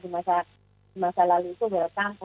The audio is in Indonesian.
di masa lalu itu welcome